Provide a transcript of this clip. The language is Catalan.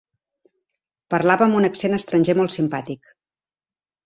Parlava amb un accent estranger molt simpàtic.